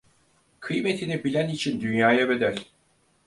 Kıymetini bilen için dünyaya bedel…